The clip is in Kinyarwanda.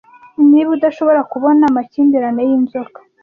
Niba udashobora kubona amakimbirane y'inzoka